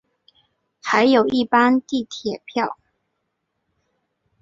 还有一般地铁票